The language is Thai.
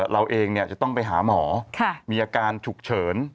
เราเองจะต้องไปหาหมอมีอาการฉุกเฉิน